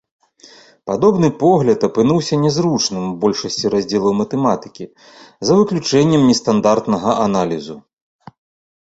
Падобны погляд апынуўся нязручным ў большасці раздзелаў матэматыкі за выключэннем нестандартнага аналізу.